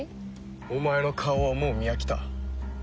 お前の顔はもう見飽きた。